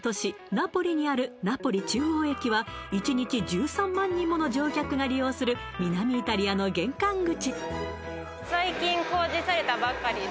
ナポリにあるナポリ中央駅は１日１３万人もの乗客が利用する南イタリアの玄関口